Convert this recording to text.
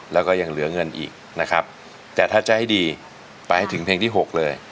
แล้วก็ยังเหลือเงินอีกนะครับแต่ถ้าจะให้ดีไปให้ถึงเพลงที่๖เลย